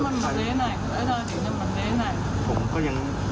เขาบอกว่าพี่ก็สู้นะ